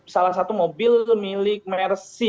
salah satu mobil milik mersi indonesia